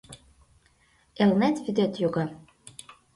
Элнет вӱдет йога